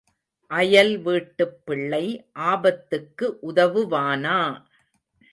அயல் வீட்டுப் பிள்ளை ஆபத்துக்கு உதவுவானா?